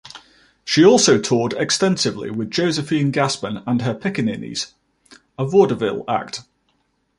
She also toured extensively with Josephine Gassman and Her Pickaninnies, a vaudeville act.